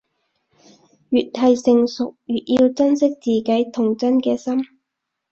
越係成熟，越要珍惜自己童真嘅心